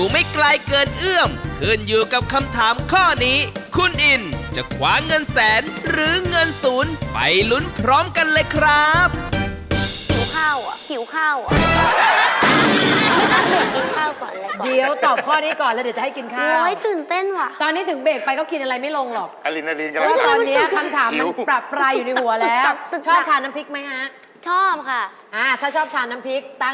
หิวข้าวอะหิวข้าวอะ